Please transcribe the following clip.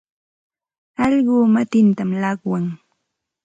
Allquu matintam llaqwan.